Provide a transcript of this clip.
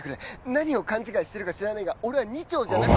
何を勘違いしてるか知らないが俺は二丁じゃない。